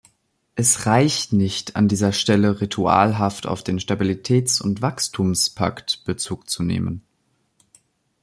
Es reicht nicht, an dieser Stelle ritualhaft auf den Stabilitäts- und Wachstumspakt Bezug zu nehmen.